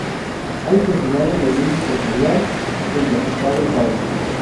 Ha incursionado en el mundo empresarial junto a su padre Paúl.